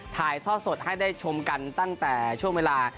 ถ่ายท่อสดให้ได้ชมกันตั้งแต่ช่วงเวลา